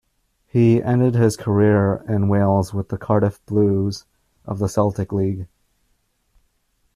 He ended his career in Wales with the Cardiff Blues of the Celtic League.